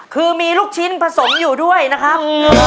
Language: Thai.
คือมีลูกชิ้นผสมอยู่ด้วยนะครับ